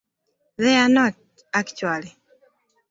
They're not, actually.